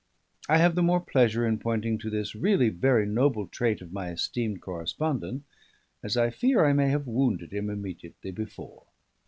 I have the more pleasure in pointing to this really very noble trait of my esteemed correspondent, as I fear I may have wounded him immediately before.